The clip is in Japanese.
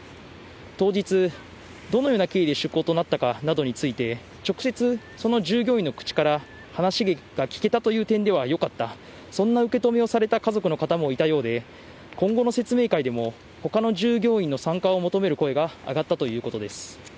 当日、どのような経緯で出航となったかなどについて、直接その従業員の口から話が聞けたという点ではよかった、そんな受け止めをされた家族の方もいたようで、今後の説明会でも、ほかの従業員の参加を求める声が上がったということです。